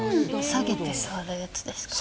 下げて座るやつですか。